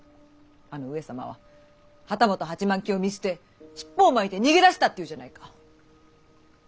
あの上様は旗本８万騎を見捨て尻尾を巻いて逃げ出したっていうじゃないか。